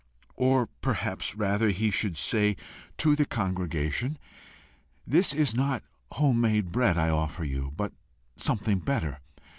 Or perhaps rather, he should say to the congregation 'This is not home made bread I offer you, but something better.